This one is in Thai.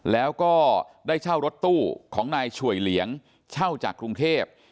แล้วก็ได้เช่ารถตู้ของนายฉวยเหลียงเช่าจากกรุงเทพ